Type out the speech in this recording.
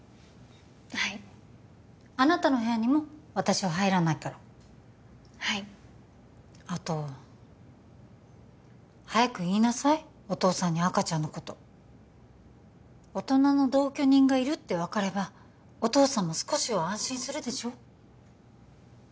はいあなたの部屋にも私は入らないからはいあと早く言いなさいお父さんに赤ちゃんのこと大人の同居人がいるって分かればお父さんも少しは安心するでしょ？